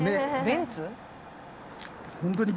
「ベンツ」？